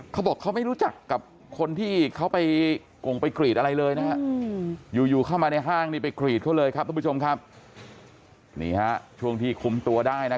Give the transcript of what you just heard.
เขาบอกเขาไม่รู้จักกับคนที่เขาไปกงไปกรีดอะไรเลยนะฮะ